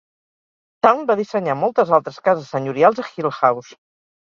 Town va dissenyar moltes altres cases senyorials a Hillhouse.